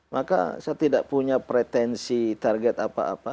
maka saya tidak punya pretensi target apa apa